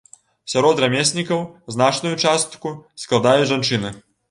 Сярод рамеснікаў значную частку складаюць жанчыны.